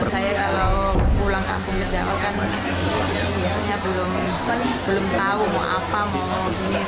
saya kalau pulang kampung ke jawa kan biasanya belum tahu mau apa mau ini